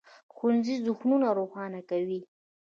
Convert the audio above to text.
ښوونځی ذهنونه روښانه کوي.